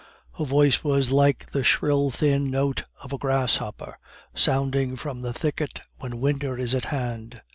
Her voice was like the shrill, thin note of the grasshopper sounding from the thicket when winter is at hand.